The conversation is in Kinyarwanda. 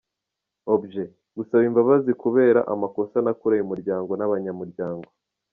Objet : gusaba imbabazi kubera amakosa nakoreye umuryango n’abanyamuryango